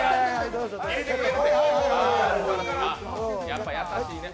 やっぱ優しいね。